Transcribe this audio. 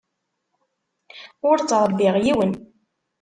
Ur ttṛebbiɣ yiwen.